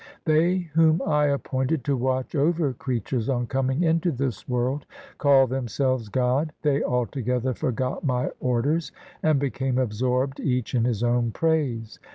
They whom I appointed to watch over creatures, On coming into this world called themselves God. They altogether forgot My orders, And became absorbed each in his own praise.